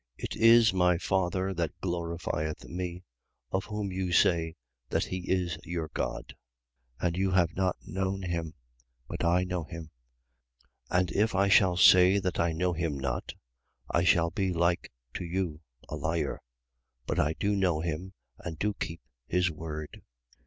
It is my Father that glorifieth me, of whom you say that he is your God. 8:55. And you have not known him: but I know him. And if I shall say that I know him not, I shall be like to you, a liar. But I do know him and do keep his word.